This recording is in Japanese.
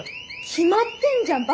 決まってんじゃん。